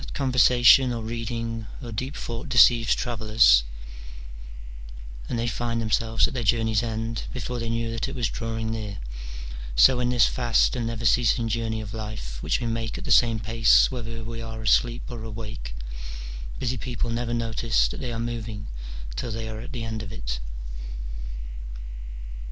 As conversation, or reading, or deep thought deceives travellers, and they find 302 MINOR DIALOGUES. [bK. X. themselves at their journey's end before they knew that it was drawing near, so in this fast and never ceasing journey of life, v^^hich we make at the same pace whether we are asleep or awake, busy people never notice that they are moving till they are at the end of it.